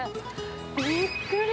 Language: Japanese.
びっくり。